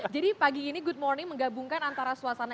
jadi pagi ini good morning menggabungkan antara semua orang